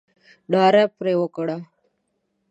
ناره پر وکړه.